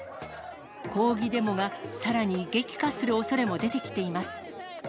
抗議デモがさらに激化するおそれも出てきています。